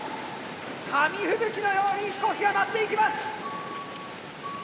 紙吹雪のように飛行機が舞っていきます。